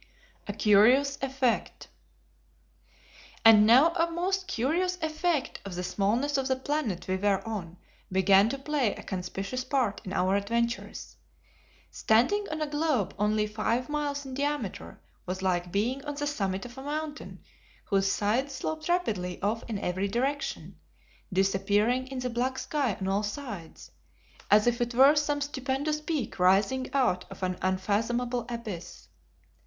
A Curious Effect. And now a most curious effect of the smallness of the planet we were on began to play a conspicuous part in our adventures. Standing on a globe only five miles in diameter was like being on the summit of a mountain whose sides sloped rapidly off in every direction, disappearing in the black sky on all sides, as if it were some stupendous peak rising out of an unfathomable abyss.